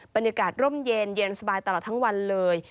บรรยากาศร่มเย็นเย็นสบายตลอดทั้งวันเลย